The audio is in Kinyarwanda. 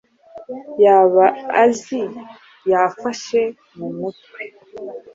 yaba azi yafashe mu mutwe.